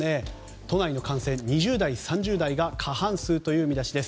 都内の感染、２０代、３０代が過半数という見出しです。